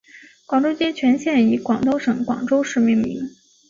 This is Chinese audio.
广州街全线以广东省广州市命名。